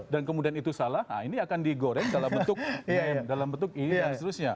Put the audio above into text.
dan kemudian itu salah nah ini akan digoreng dalam bentuk ini dan seterusnya